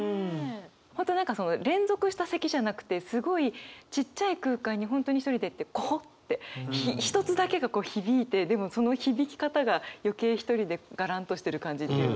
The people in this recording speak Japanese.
本当何か連続した咳じゃなくてすごいちっちゃい空間に本当に一人でってコホッて一つだけがこう響いてでもその響き方が余計一人でガランとしてる感じというか。